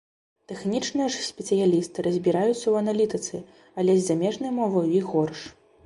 Тэхнічныя ж спецыялісты разбіраюцца ў аналітыцы, але з замежнай мовай у іх горш.